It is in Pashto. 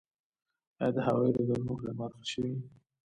آیا د هوایي ډګرونو خدمات ښه شوي؟